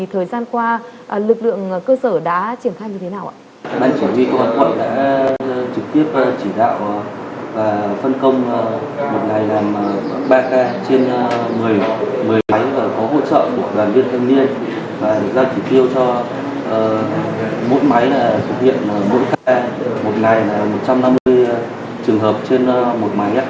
thời gian qua lực lượng cơ sở đã triển khai như thế nào ạ